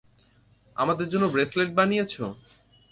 আমাদের জন্য ব্রেসলেট বানিয়েছ?